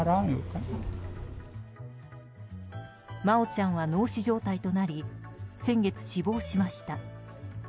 真愛ちゃんは脳死状態となり先月死亡しました。